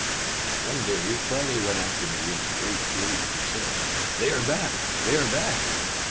One day, Friday ran up to me in great glee, and said, "They are back! They are back!"